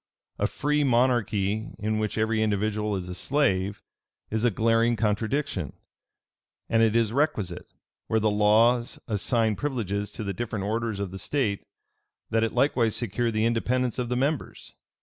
A free monarchy in which every individual is a slave, is a glaring contradiction: and it is requisite, where the laws assign privileges to the different orders of the state, that it likewise secure the independence of the members.